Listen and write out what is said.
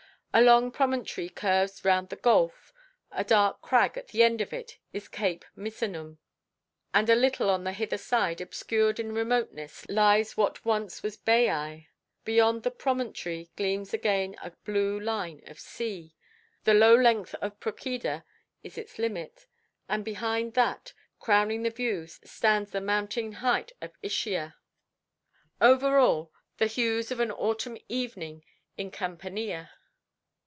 A long promontory curves round the gulf; the dark crag at the end of it is Cape Misenum, and a little on the hither side, obscured in remoteness, lies what once was Baiae. Beyond the promontory gleams again a blue line of sea. The low length of Procida is its limit, and behind that, crowning the view, stands the mountain height of Ischia. Over all, the hues of an autumn evening in Campania.